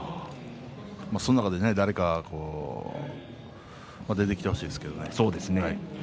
その中で誰か出てきてほしいですね。